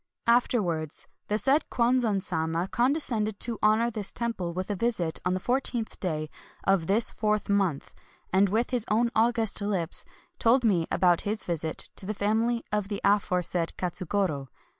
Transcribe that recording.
Afterwards, the said Kwanzan Sama conde scended to honor this temple with a visit on the fourteenth day of this fourth month, and with his own august lips told me about his visit to the fam ily of the aforesaid Katsugoro.